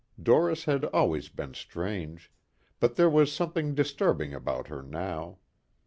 Doris had always been strange, but there was something disturbing about her now.